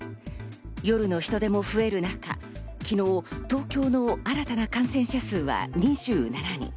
夜の人出も増える中、昨日、東京の新たな感染者数は２７人。